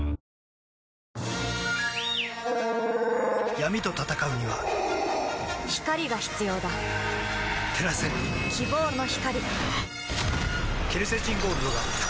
闇と闘うには光が必要だ照らせ希望の光